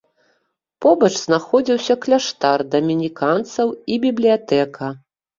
Побач знаходзіўся кляштар дамініканцаў і бібліятэка.